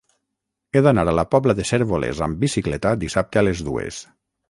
He d'anar a la Pobla de Cérvoles amb bicicleta dissabte a les dues.